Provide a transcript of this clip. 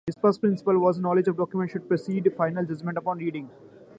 His first principle was, "Knowledge of Documents should precede Final Judgments upon Readings".